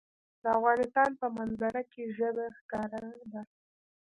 د افغانستان په منظره کې ژبې ښکاره ده.